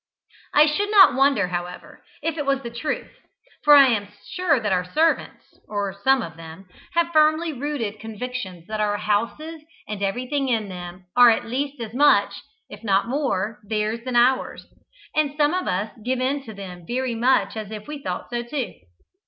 I should not wonder, however, if it was the truth; for I am sure our servants or some of them have firmly rooted convictions that our houses and everything in them, are at least as much, if not more, theirs than ours, and some of us give in to them very much as if we thought so too.